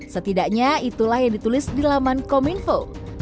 setidaknya itulah yang ditulis di laman kominfo